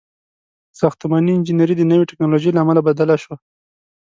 • ساختماني انجینري د نوې ټیکنالوژۍ له امله بدله شوه.